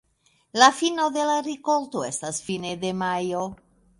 La fino de la rikolto estas fine de majo.